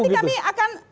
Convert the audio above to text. baik nanti kami akan